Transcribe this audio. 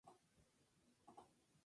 Hijo de Próspero Rey y Josefa Mederos.